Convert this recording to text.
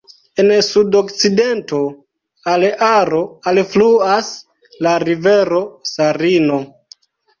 En sudokcidento al Aro alfluas la rivero Sarino.